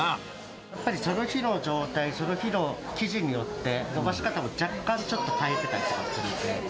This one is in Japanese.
やっぱりその日の状態、その日の生地によって、のばし方も若干ちょっと変えてたりしますので。